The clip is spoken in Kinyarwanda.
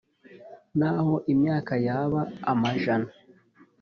Naho imyaka yaba amajana